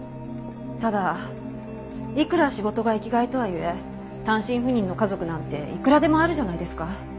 ただいくら仕事が生きがいとはいえ単身赴任の家族なんていくらでもあるじゃないですか。